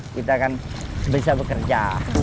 kita kan bisa bekerja